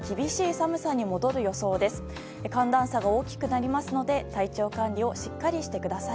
寒暖差が大きくなりますので体調管理をしっかりしてください。